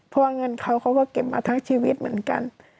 เพราะว่าเงินเขาเขาก็เก็บมาทั้งชีวิตเหมือนกัน